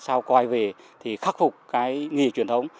sao quay về thì khắc phục cái nghề truyền thống